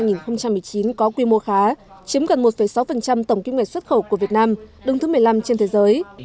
tổng kim ngạch xuất khẩu của italia có quy mô khá chiếm gần một sáu tổng kim ngạch xuất khẩu của việt nam đứng thứ một mươi năm trên thế giới